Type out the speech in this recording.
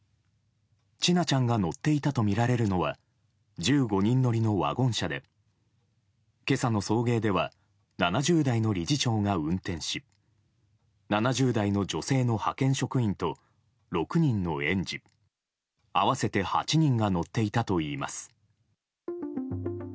千奈ちゃんが乗っていたとみられるのは１５人乗りのワゴン車で今朝の送迎では７０代の理事長が運転し７０代の女性の派遣職員と６人の園児合わせて８人が乗っていたといいます。